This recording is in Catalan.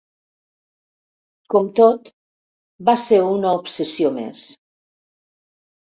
Com tot, va ser una obsessió més.